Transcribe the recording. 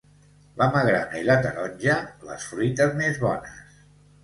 La magrana i la taronja, les fruites més bones.